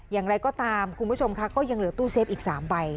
อย่างไรก็ตามคุณผู้ชมค่ะก็ยังเหลือตู้เซฟอีก๓ใบ